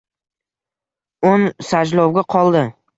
O'n Sajlovga qoldi